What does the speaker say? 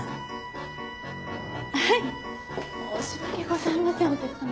申し訳ございませんお客さま。